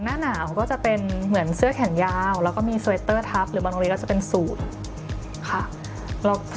หน้าหนาวก็จะเป็นเหมือนเสื้อแขนยาวแล้วก็มีสเวตเตอร์ทับหรือบางโรงเรียนก็จะเป็นสูตรค่ะ